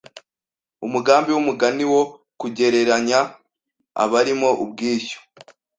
Umugambi w'umugani wo kugereranya abarimo ubwishyu